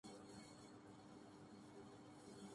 تنازعات کے حل کے لیے ہمیں انہی عدالتوں میں جانا ہے۔